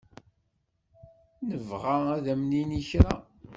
Nebɣa ad am-nini kra.